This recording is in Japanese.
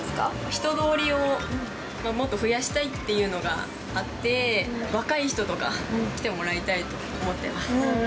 人通りをもっと増やしたいっていうのがあって、若い人とか来てもらいたいと思ってます。